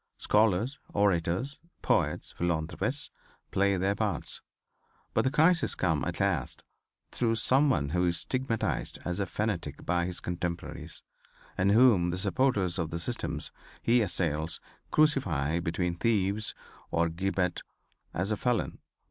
Scholars, orators, poets, philanthropists, play their parts, but the crisis comes at last through some one who is stigmatized as a fanatic by his contemporaries, and whom the supporters of the systems he assails crucify between theives or gibbet as a felon.